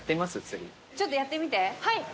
ちょっとやってみて。